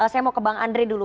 saya mau ke bang andre dulu